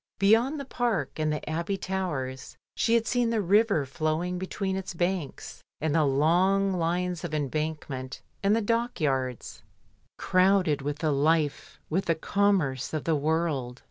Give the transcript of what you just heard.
Beyond the park and the Abbey towers she had seen the river flowing between its banks, and the long lines of embankment and the dockyards, 154 ^^^^' DYMOND. crowded with the life, with the commerce of the world.